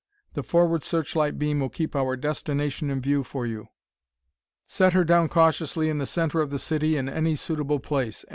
The forward searchlight beam will keep our destination in view for you. Set her down cautiously in the center of the city in any suitable place.